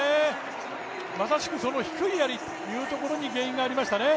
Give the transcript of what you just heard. まさしく、その低いやりというところに原因がありましたね。